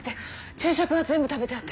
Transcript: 昼食は全部食べてあって。